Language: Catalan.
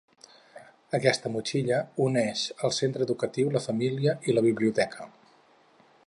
Aquesta motxilla uneix el centre educatiu, la família i la biblioteca.